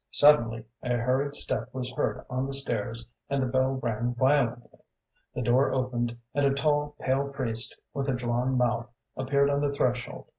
Suddenly a hurried step was heard on the stairs, and the bell rang violently. The door opened, and a tall, pale priest, with a drawn mouth, appeared on the threshold.